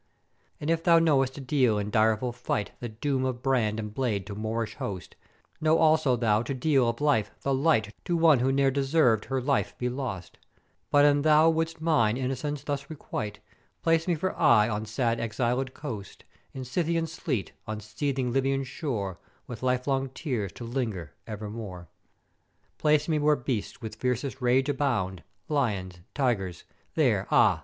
"'And if thou know'est to deal in direful fight the doom of brand and blade to Moorish host, Know also thou to deal of life the light to one who ne'er deserved her life be lost; But an thou wouldst mine inno'cence thus requite, place me for aye on sad exilèd coast, in Scythian sleet, on seething Libyan shore, with life long tears to linger evermore. "'Place me where beasts with fiercest rage abound, Lyons and Tygers, there, ah!